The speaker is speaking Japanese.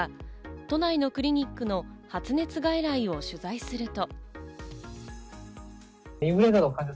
都内のクリニックの発熱外来を取材すると。